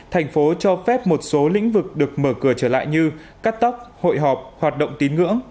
thành phố cho phép một số lĩnh vực được mở cửa trở lại như cắt tóc hội họp hoạt động tín ngưỡng